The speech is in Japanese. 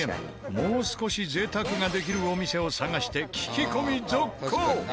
もう少し贅沢ができるお店を探して聞き込み続行！